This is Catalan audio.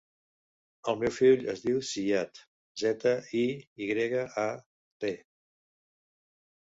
El meu fill es diu Ziyad: zeta, i, i grega, a, de.